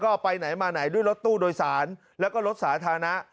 ก็ไปไหนมาไหนด้วยรถตู้โดยสารแล้วก็รถสาธารณะ